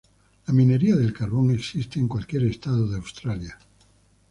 La minería de carbón existe en cualquier estado de Australia.